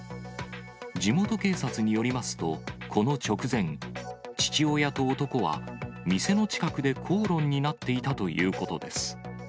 地元警察によりますと、この直前、父親と男は店の近くで口論になっていたということです。